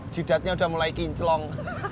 jidatnya udah mulai kinclong